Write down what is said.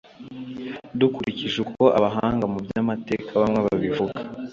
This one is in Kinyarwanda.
dukurikije uko abahanga mu by’amateka bamwe babivuga